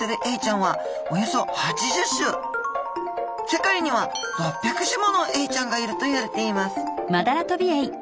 世界には６００種ものエイちゃんがいるといわれています